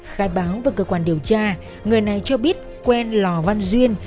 khai báo với cơ quan điều tra người này cho biết quen lò văn duyên